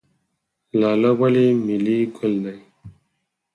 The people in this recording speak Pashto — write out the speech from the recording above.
لاله ولې ملي ګل دی؟